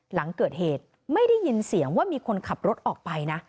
หลังเกิดเหตุไม่ได้ยินเสียงว่ามีคนขับรถออกไปนะ